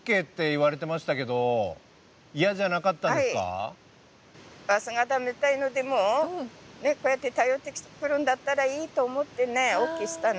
わしらみたいのでもこうやって頼ってくるんだったらいいと思ってねＯＫしたの。